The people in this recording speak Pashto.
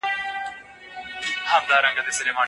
تاسو باید د خپلو استادانو هرې خبرې ته په درنښت وګورئ.